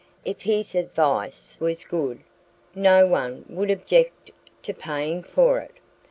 If his advice was good, no one would object to paying for it.